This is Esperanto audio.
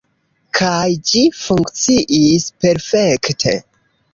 Kaj ĝi funkciis perfekte.